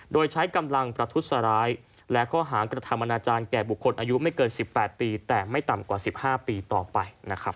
โดยใช้กำลังประทุษร้ายและข้อหากระทำอนาจารย์แก่บุคคลอายุไม่เกิน๑๘ปีแต่ไม่ต่ำกว่า๑๕ปีต่อไปนะครับ